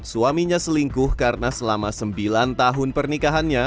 suaminya selingkuh karena selama sembilan tahun pernikahannya